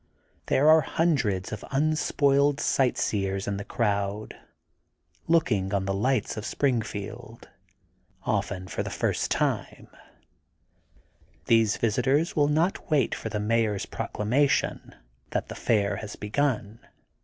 There are hundreds of unspoiled sight seers in the crowd looking on the lights of Springfield, often for the first time. These // THE GOLDEN BOOK OF SPRINGFIELD 221 visitors will not wait for the Mayor's proc lamation, that the Fair has begun.